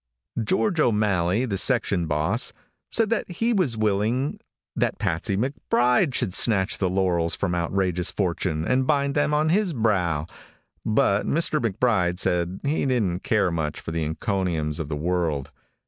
George O'Malley, the section boss, said that he was willing that Patsy McBride should snatch the laurels from outrageous fortune and bind them on his brow, but Mr. McBride said he didn't care much for the encomiums of the world.